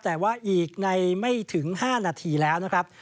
แต่ว่าอีกในไม่ถึง๕นาทีแล้วนะครับ